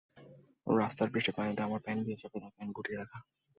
রাস্তার বৃষ্টির পানিতে আমার প্যান্ট ভিজে যাবে, তাই প্যান্ট গুটিয়ে রাখা।